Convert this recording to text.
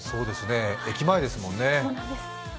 駅前ですもんね